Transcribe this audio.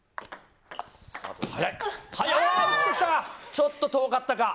ちょっと遠かったか。